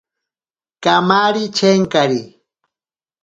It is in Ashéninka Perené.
Kamari chenkari.